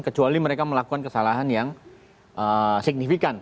kecuali mereka melakukan kesalahan yang signifikan